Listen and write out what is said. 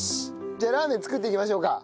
じゃあラーメン作っていきましょうか。